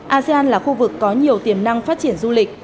asean là khu vực có nhiều tiềm năng phát triển du lịch